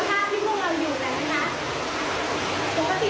น้ำข้างนอกสูงกว่าน้ำข้างในตอนนี้